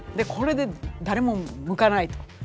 これで誰も向かないと。